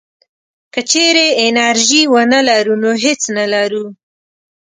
که چېرې انرژي ونه لرو نو هېڅ نه لرو.